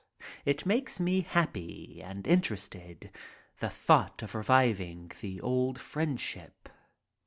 It makes me happy and interested, the thought of reviving the old friendship.